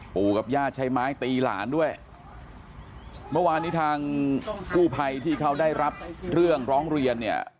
กับญาติใช้ไม้ตีหลานด้วยเมื่อวานนี้ทางกู้ภัยที่เขาได้รับเรื่องร้องเรียนเนี่ย